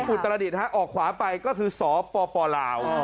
อุตรดิษฐ์ออกขวาไปก็คือสปลาว